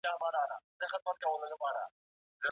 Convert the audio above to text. موږ باید له تېرو پېښو عبرت واخلو.